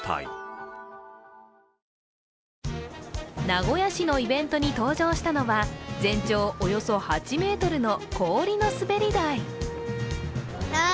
名古屋市のイベントに登場したのは全長およそ８ｍの氷の滑り台。